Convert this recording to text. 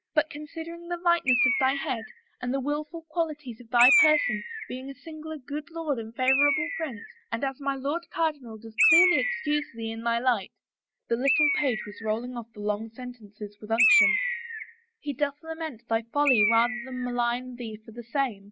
But considering the lightness of thy head and the willful qualities of thy person, being a singular good lord and favorable prince, and as my Lord Cardinal does clearly excuse thee in thy light act' — the little page 20 A BROKEN BETROTHAL was rolling ofiF the long sentences with unction —' he doth lament thy folly rather than m^ign thee for the same.